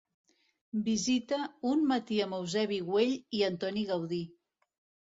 Visita "Un matí amb Eusebi Güell i Antoni Gaudí".